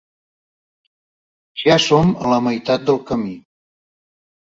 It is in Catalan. Ja som a la meitat del camí.